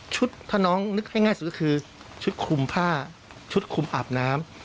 ถ้าน้องนึกง่ายสุดก็คือชุดคุมผ้าชุดคุมอาบน้ำ